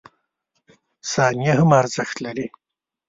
• ثانیه هم ارزښت لري.